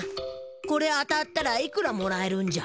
これは当たったらいくらもらえるんじゃ？